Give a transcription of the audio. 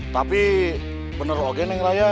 tapi bener bener neng raya